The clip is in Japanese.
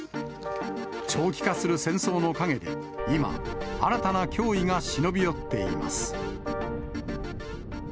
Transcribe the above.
長期化する戦争の陰で、今、新たな脅威が忍び寄っています。